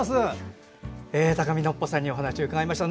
高見のっぽさんにお話を伺いました。